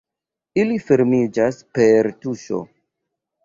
Ili fermiĝas per tuŝo.